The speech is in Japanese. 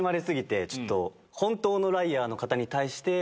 本当のライアーの方に対して。